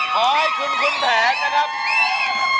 ขอให้คุณคุณแผนนะครับ